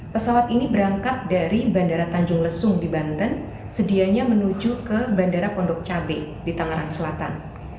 pesawat ini berangkat dari bandara tanjung lesung di banten sedianya menuju ke bandara pondok cabe di tangerang selatan